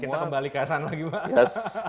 kita kembali ke asan lagi pak